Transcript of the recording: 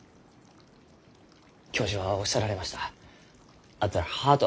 教授はおっしゃられました。